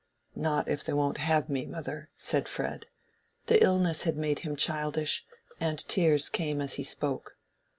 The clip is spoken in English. "Not if they won't have me, mother," said Fred. The illness had made him childish, and tears came as he spoke.